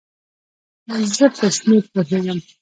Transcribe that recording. زه په شمېر پوهیږم